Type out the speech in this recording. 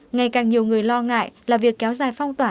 ngày càng nhiều người lo ngại là việc kéo dài phong tỏa